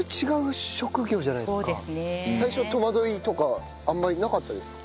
最初戸惑いとかあんまりなかったですか？